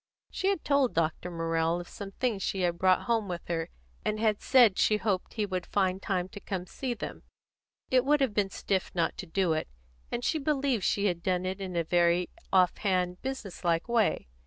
She had told Dr. Morrell of some things she had brought home with her, and had said she hoped he would find time to come and see them. It would have been stiff not to do it, and she believed she had done it in a very off hand, business like way.